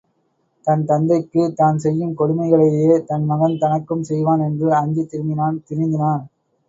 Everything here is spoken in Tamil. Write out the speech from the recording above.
தன் தந்தைக்குத் தான் செய்யும் கொடுமைகளையே தன் மகன் தனக்கும் செய்வான் என்று அஞ்சித் திரும்பினான் திருந்தினான்.